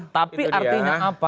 tapi artinya apa